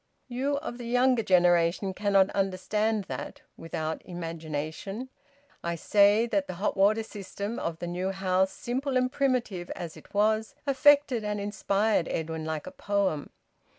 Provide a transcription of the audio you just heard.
You of the younger generation cannot understand that without imagination. I say that the hot water system of the new house, simple and primitive as it was, affected and inspired Edwin like a poem.